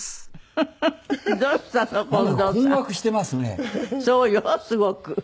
すごく。